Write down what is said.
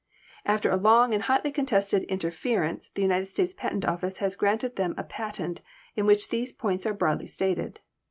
"After a long and hotly contested interference, the United States Patent Office has granted them a patent in which these points are broadly stated.